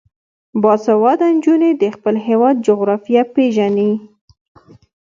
باسواده نجونې د خپل هیواد جغرافیه پیژني.